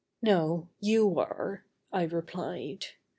"No, you are," I replied.